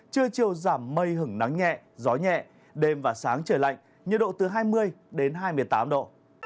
trưa chiều giảm mây hứng nắng nhẹ gió nhẹ đêm và sáng trời lạnh nhiệt độ từ hai mươi đến hai mươi tám độ